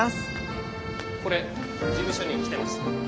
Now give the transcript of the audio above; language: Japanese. これ事務所に来てました。